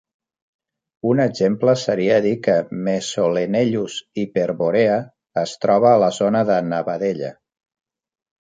Un exemple seria dir que "Mesolenellus hyperborea" es troba a la zona de "Nevadella".